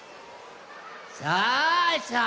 さあさあ